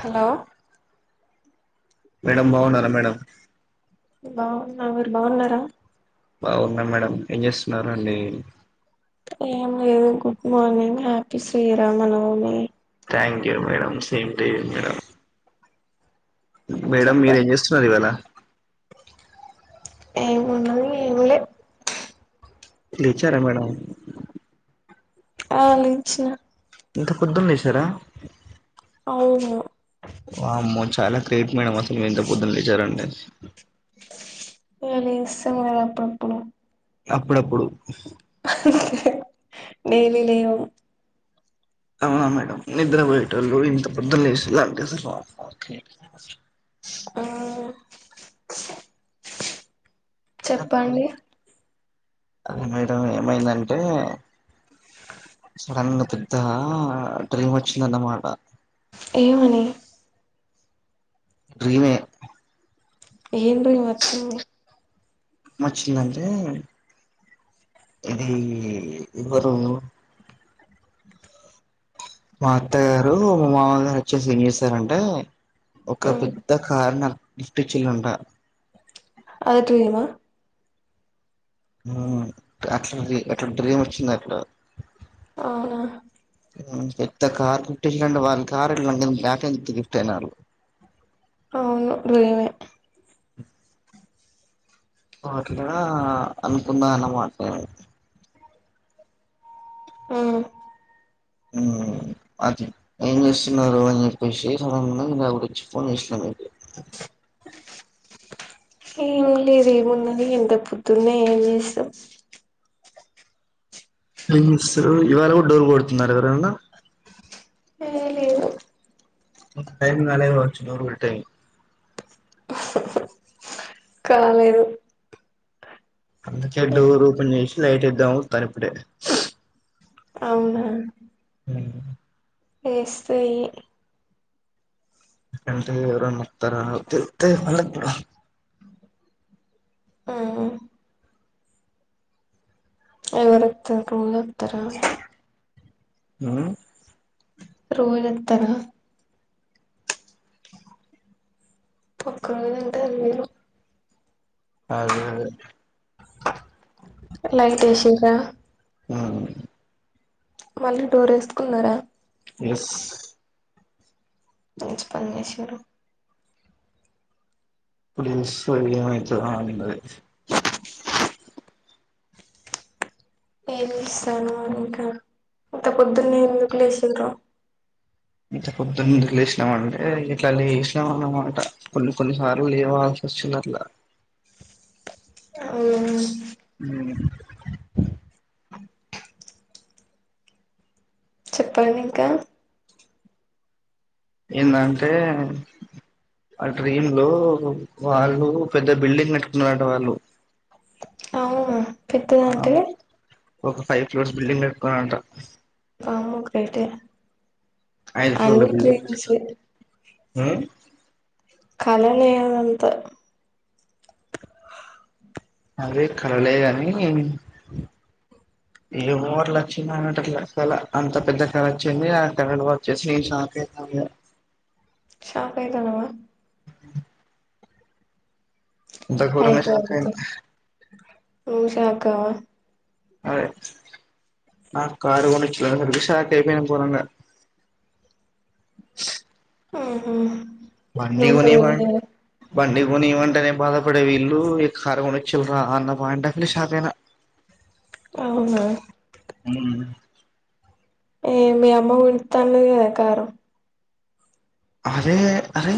Hello madam బాగున్నారా madam మీ వారు బాన్నారా బాగున్నా మేడం ఏం చేస్తున్నారు అండి ఏం లేదు good morning happy Srirama Navami thank you madam same to you madam madam చెప్ప మీరు ఏం చేస్తున్నారు ఇవాళ ఏముందండి ఎమ్లే లేచారా మేడం ఆ లేచా ఇంత పొద్దున లేసారా అవును చాలా గ్రేట్ మేడమ్ అసలు మీరు ఇంతా పొద్దున లేచరంటే ఏ ఇగా లెస్థాగా అప్పుడుప్పుడు అప్పుడప్పుడు డైలీ లేవం అవునా మేడం నిద్ర పోయేటోళ్ళు ఇంత పొద్దున లేసి అంటే షాకింగ్ ఆ చెప్పండి అది మేడం ఏమైందంటే క్కన్ను పెద్ద డ్రీమ్ వచ్చిందన్నమాట ఏమని డ్రీమే ఏం డ్రీమ్ వచ్చింది ఏం వచ్చిందంటే ఇది ఎవరు మా అత్త గారు మా మామగారు వచ్చేసి ఏంచేస్తారంటే ఒక పెద్ద కారణం నిష్టిచల్ అంటా అది డ్రీమా అట్లా అట్లా డ్రీమ్ వచ్చింది అట్లా అవునా పెద్ద కార్ గిఫ్ట్ ఇంటే వాళ్ళ కార్ గిఫ్ట్ అయిన వాళ్ళు అవును డ్రీమే పట్లేదా అనుకునా అన్నమాట నేను ఉమ్ అది ఏం చేస్తున్నారు అని చెప్పేసి గురించి ఫోన్ చేసినను మీరు ఏం లేదేమునది ఎంత పొద్దున్న ఏం చేసాం ఏంచేస్తారు ఇవాళ కూడా డోర్ కొడుతున్నార ఎవరనా ఏ లేదు ఇంకా టైం కాలేదు కావచ్చు. డోర్ పడే టైం. కాలేదు. అందుకే డోర్ ఓపెన్ చేసి లైట్ ఇద్దాం తనప్పుడే అవునా ఆ వేస్తాయి అంటే ఎవరైనా వస్తార వస్తే [unintelligible] ఉహుం ఎవరోతారు కమల్ వాతారా ఉ రోజోతర ఒక రోజు అంటే అది వేరు అదేేదే లైట్ ఏసిరా ఆ మళ్ళీ డోర్ వేసుకున్నారా? ఎస్ మంచి పని చేశారు. ఇప్పుడు తెలుస్తది ఏమైతదా అన్నది. ఏం చేస్తాన్నావ్ ని ఇంకా? ఇంత పొద్దున్నే ఎందుకు లేసిన్రో. ఇంత పొద్దున్ ఎందుకు లేసినావంటే, ఇట్ల లేసినాం అన్నమాట కొన్ని కొన్ని సార్లు లేవాల్ వోస్తుందట్ల. అవు మ్మ్ చెప్పండి ఇంకా? ఏందంటే, ఆ డ్రీమ్ లో వాళ్ళు పెద్ద బిల్డింగ్ పెట్టుకున్నరట వాళ్ళు. అవునా ఆ పెద్దదంటే? ఒక ఫైవ్ ఫ్లోర్స్ బిల్డింగ్ కట్టుకున్న అంట. వామ్మో కట్టే ఐదు ఫ్లోర్ల బిల్డింగ్. డ్రీమ్సే మ్ కలలేం అంత అదే కలలే గానీ ఏమో అట్ల వచ్చింది నాకి అట్ల కళ అంత పెద్ద కళ వచ్చింది ఆ కళలు వచ్చేసి లేసిన. నాకేత అమ్మయ్య షాఖైతానవా అంత ఘోరంగా అయితే షాక్ అయినా వదిలేయ్. నువ్వు షాక్ కావా? అదె నాకు కారు కొనిచ్చినవ్ అంటే, షాక్ అయిపోఅయినాను ఘోరంగా! ఆ బండి నువ్వు కొనివ్వ కొనియ్యలేద బండి కొనిమంటేనే బాధపడే వీల్లు య కారు కొని ఇచ్చిల్లురా, అన్న పాయింట్ ఆఫీనె షాక్ అయినా. [inaudible] అవున మ్ ఏ మీ అమ్మ కొనిత్త అన్నది కదా కారు! అరే అరే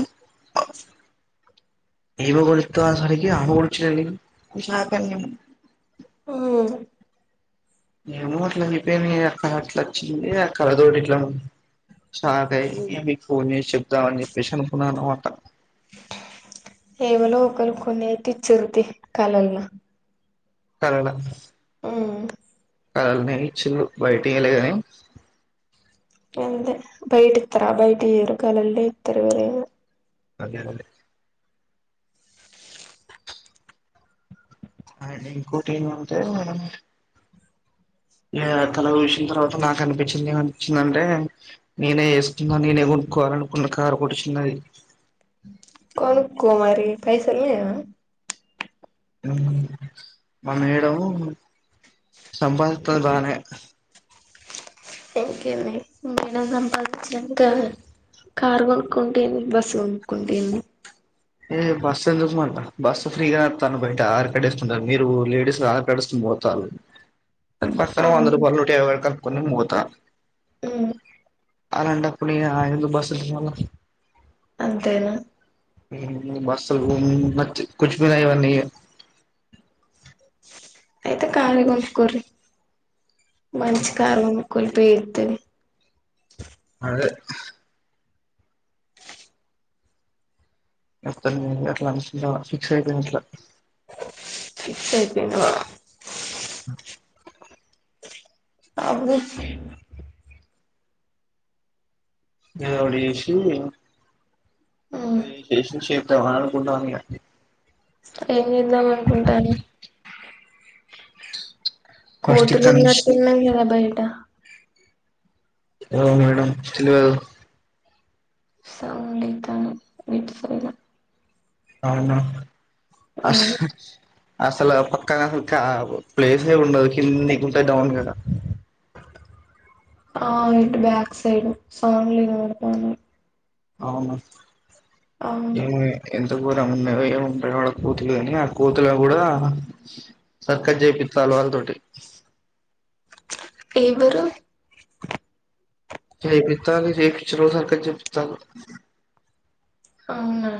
ఇగొ కోనిత్త అని సరిగా ఏ ఆమె కొనిచ్చుడు ఏంది. ఊ ఏమో అట్ల రిపేరింగ్ అక్కడ అట్లా వచ్చింది. అక్కడ తోడి ఇట్లా స్టార్ట్ అయి మీకు ఫోన్ చేసి చెప్దాం అన్ చెప్పేసి అనుకున్నా అనమాట ఏవళ ఒకలు కొని ఎత్తిచిరుతి కాలల్లో కాన్ ఎడ మ్ కలలనే ఇచ్చులు. బయట్ ఇంగ లేదని అంతే బయటిత్తర బయటియ్యరు కాలలోనె ఇత్తరు ఎవరయిన. అదే అదే అ ఇంకోటి ఏమంటే, [inaudible] ఇగా కల చూసిన తర్వాత నాకు అనిపించింది. ఏమనిపిచ్చిందంటే నేనే చేసుకున్నా, నేనే కొనుకో కావాలనుకున్న కారు ఒకటి చిన్నది. కొనుక్కో మరి పైసల్ లేవ మా మేడం సంపాదితది బానే. ఇంకేంది, మీ మేడం సంపాదించినంక కడుగు. కార్ కొనుకుంటే ఏంది బస్ కొనుకుంటె ఏంది. ఏ బస్సు ఎందుకు మళ్ళ బస్సు ఫ్రీగా నడుపుతుండు బయట ఆధార్ కార్డ్ వేసుకుంటున్నారు మీరు లేడీస్ ఆధార్ కార్డు తీసుకొని పో పోతాను [inaudible] పక్కన వంద అవును రూపాయలు లో నూట యాభై కలుపుకొని నేను పోత మ్మ్ అలాంటప్పుడు మీ ఆయన ఎందుకు బస్సులకి మళ్ళ అంతేనా ఉమ్ బస్సులు నచ్చయి కూర్చునేవా ఇవన్నీ అయితే కార్ కొనుకోర్రి మంచి కారు కొనుక్కొలిపోయి. తది అదే మొత్తం అట్లా అ ఫిక్స్ అయిపోయింది అట్లా ఫిక్స్ అయిపోయినావా అ ఆవు ఏదోటి చేసి అదే చేసింది చేద్దామనుకుంటున్న ఇగ ఏం చేద్దాం అనుకుంటున్నావ్. ఫస్ట్ కోతులు ఇక్కడ ఉన్నట్టు నుంచి ఉన్నాయి కదా బయట ఏమో మేడం తెలవదు. సౌండ్ అయితాంది ఇటు సైడ్ అవునా అసు అసలు ఆ పక్కనే అసలు క ప్లేస్ ఏ ఉండదు కిందికి ఉంటది డౌన్ గా ఆ ఇటు బాక్ సైడ్ సౌండ్లు వినబడతానయి. అవునా అవును ఏమి ఎ అంత గోరం ఉన్నాయి ఏముంటా వాడ కోతులు కాని ఆ కోతులో కూడా సర్కస్ జైపీతల్ వాళ్ళతోటి ఏవరు చేపిత్త అని రేపిచ్చి రోజు సర్కస్ జెపిస్తారు అవునా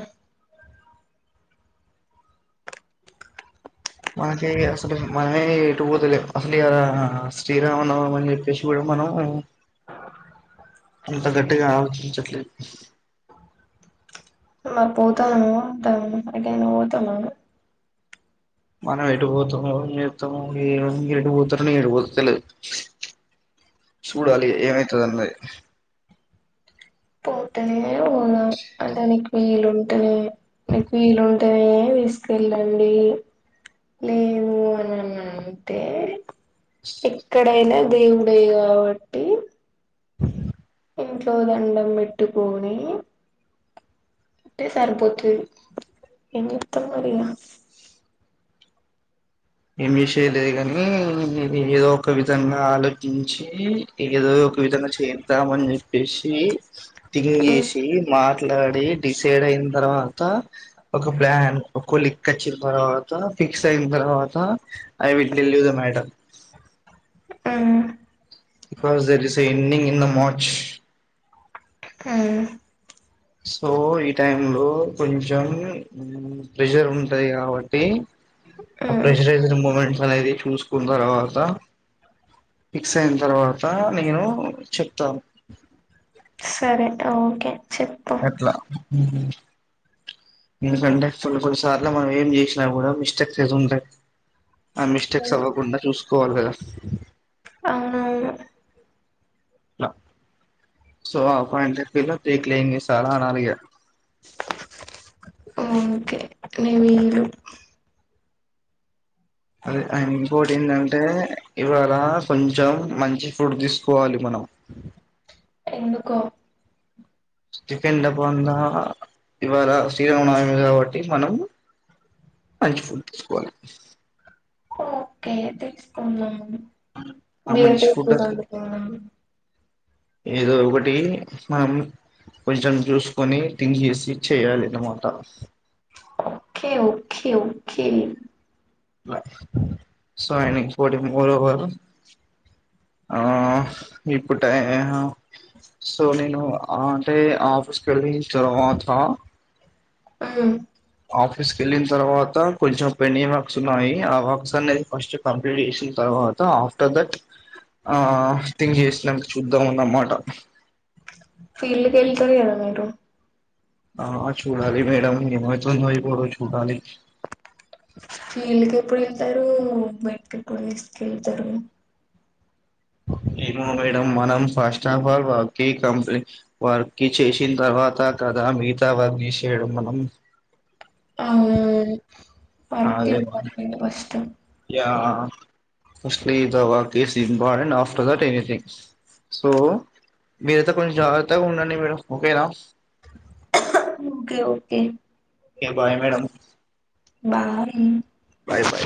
మనకి అసలు మనమే ఎటు పోతలేము అసలు ఇగా శ్రీరామనవమి అని చెప్పేసి కూడా మనం [inaudible] అంత గట్టిగా ఆలోచించట్లేదు మార్ పోతనమ్మ దొంగ ముండా ఎటైనా పోతామా మనం ఎటు పోతాము ఏం మీరు ఏటు పోతారు నేను ఎటు పోతాను తెలీదు చూడాలి ఏమైతుందో మరి పోతనే ఓనా అ అంటే నీకు వీలుంటేనే నీకు వీలుంటేనే తీసుకెళ్లండి లేను అని అంతే ఎక్కడైనా దేవుని దయ కాబట్టి ఇంట్లో దండం పెట్టుకొని అట్టే సారిపోతు ఎంతవరయ్యా ఏం విషయం లేదు కాని మీరు ఏదో ఒక విధంగా ఆలోచించి ఏదో ఒక విధంగా చేద్దామని చెప్పేసి టింగ్ చేసి మాట్లాడి డిసైడ్ అయిన తర్వాత ఒక ప్లాన్ ఒకలిక్ వచ్చిన తర్వాత ఫిక్స్ అయిన తర్వాత I will tell you the madam అవునా బికాస్ ఇట్ ఇస్ ఈవెనింగ్ ఇందా మార్చ్ హ సో ఈ టైమ్ లో కొంచం ప్రెషర్ ఉంటాయి కాబ తే ఆ మ్మ్ ప్రెజరైజర్ మూమెంట్స్ అనేది చూసుకున్న తర్వాత ఫిక్స్ అయిన తర్వాత నేను చెప్తాను సరే అయితే ఓకే చెప్పు అట్లా హ్మ్ ఎందుకంటే కొన్ని కొన్ని సార్లు మనం ఏం చేసినా కూడా మిస్టేక్ చెజుంటాయ్ ఆ మిస్టేక్స్ అవ్వకుండా చూసుకోవాలి కదా అవునువును అట్ల సో ఆ పాయింట్ అఫ్ వ్యూ లో దేక్లెంగే సలా అనాలి ఇగ ఆ అంతే నివిలు అదే అండ్ ఇంకోటి ఏందంటే ఇవాళ కొంచం మంచి ఫుడ్ తీసుకోవాలి మనం అ ఎందుకో స్టీఫిన్ [unintelligible] ఇవాళ శ్రీరామనమి కాబట్టి మనం మంచి ఫుడ్ తీసుకోవాలి ఓకే తీసుకుందాం ఆ బియర్ మంచి ఫుడ్ టెంపుల్ అనుకున్నాం ఏదో ఒకటి మమ్ కొంచెం చూసుకొని తింగ్ చేేసి చేయాలి అన్నమాట ఓకే ఓకే ఓకే అట్ల సో ఆయన ఇంకోటి మోర్ ఓవర్ ఆ ఇప్పుడు టైం ఏమో సో నేను ఆ అంటే ఆఫీస్కి వెళ్లి తర్వాత అ ఆఫీస్ కి వెళ్ళిన తర్వాత కొంచం పెడి వర్క్స్ ఉన్నాయి ఆ వర్క్స్ అనేది ఫస్ట్ కంప్లీట్ చేసిన తర్వా తర్వాత ఆఫ్టర్ దాట్ ఆ థింగ్ చేసినాకా చూద్దాం అన్నమాట ఫీల్డ్కి వెళ్తారు కదా మీరు ఆ చూడాలి మేడం ఏం అయితుందో ఏమో చూడాలి ఫీల్డ్ కి ఎప్పుడు వెళ్తారు బయటకి ఎప్పుడు తీసుకెళ్తారు [unintelligible] ఏమో మేడం మనం ఫస్ట్ ఆఫ్ ఆల్ వర్క్ కి కంప్లీ వర్క్ కి చేసిన తర్వాత కదా దా మితా వారినిష్ చేేయడం మనం అవునవును వర్క్ అదే మన important first yeah firstly is work is important after that anything so మీరు అయితే కొన్ని జాగ్రత్త ఉండండి మేడం ఓకే నా okay okay okay bye madam bye bye bye